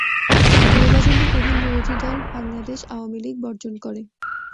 নির্বাচনটি প্রধান বিরোধী দল বাংলাদেশ আওয়ামী লীগ বর্জন করে।